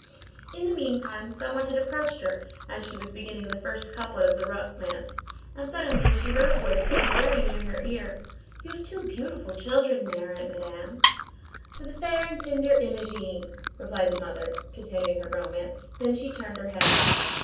In the meantime, some one had approached her, as she was beginning the first couplet of the romance, and suddenly she heard a voice saying very near her ear:— "You have two beautiful children there, Madame." "To the fair and tender Imogene—" replied the mother, continuing her romance; then she turned her head.